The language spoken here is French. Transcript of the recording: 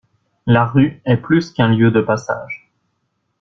La rue est plus qu’un lieu de passage.